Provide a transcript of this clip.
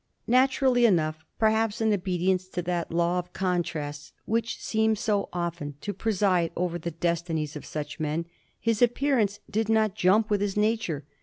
Naturally enough, perhaps in obedience to that law of contrast which seems so often to preside over the destinies of such men, his appearance did not jump with his nature.